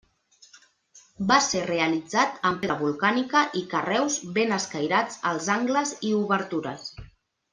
Va ser realitzat amb pedra volcànica i carreus ben escairats als angles i obertures.